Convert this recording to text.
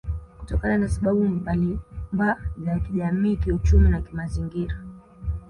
Kutokana na sababu mbalimba za kijamii kiuchumi na kimazingira